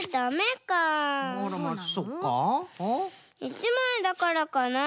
１まいだからかなあ。